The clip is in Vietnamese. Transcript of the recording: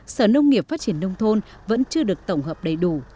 sở nông nghiệp phát triển nông thôn vẫn chưa được tổng hợp đầy đủ